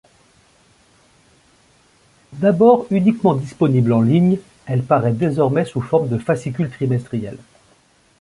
D'abord uniquement disponible en ligne, elle parait désormais sous forme de fascicules trimestriels.